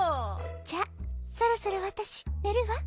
「じゃあそろそろわたしねるわ。